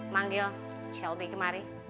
manggil shelby kemari